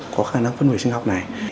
có khả năng phân hủy sinh học này